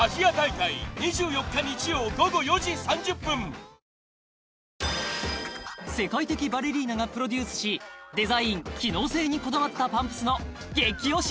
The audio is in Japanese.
「ＷＩＤＥＪＥＴ」世界的バレリーナがプロデュースしデザイン機能性にこだわったパンプスの激おし